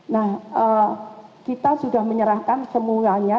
nah kita sudah menyerahkan semuanya